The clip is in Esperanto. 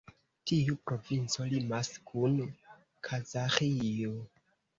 Tiu provinco limas kun Kazaĥio.